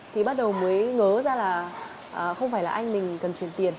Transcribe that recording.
thì bắt đầu mới ngớ ra là không phải là anh mình cần truyền tiền